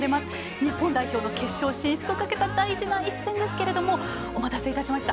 日本代表の決勝進出をかけた大事な一戦ですがお待たせいたしました。